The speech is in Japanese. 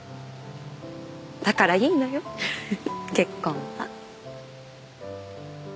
だからいいのよ結婚は。